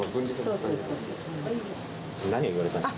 何を言われたんですか？